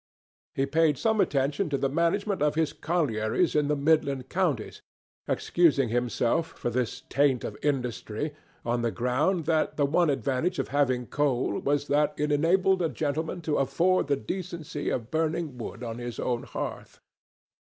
He paid some attention to the management of his collieries in the Midland counties, excusing himself for this taint of industry on the ground that the one advantage of having coal was that it enabled a gentleman to afford the decency of burning wood on his own hearth.